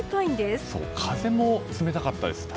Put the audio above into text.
確かに風も冷たかったです。